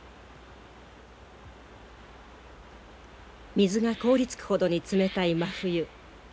水が凍りつくほどに冷たい真冬。